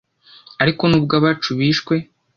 ariko nubwo abacu bishwe